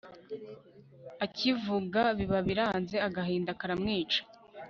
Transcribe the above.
akivuga, biba biranze agahinda karamwica